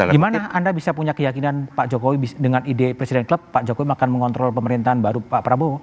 gimana anda bisa punya keyakinan pak jokowi dengan ide presiden klub pak jokowi akan mengontrol pemerintahan baru pak prabowo